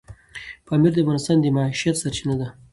پامیر د افغانانو د معیشت سرچینه ده.